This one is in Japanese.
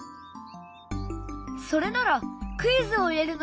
それならクイズを入れるのはどう？